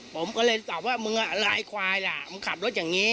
ผมก็เลยตอบว่ามึงอะไรควายล่ะมึงขับรถอย่างนี้